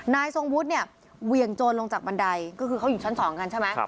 นายทรงวุฒิเนี่ยเหวี่ยงโจรลงจากบันไดก็คือเขาอยู่ชั้น๒กันใช่ไหม